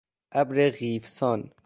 ابر قیفسان